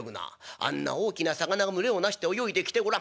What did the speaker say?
あんな大きな魚が群れを成して泳いできてごらん。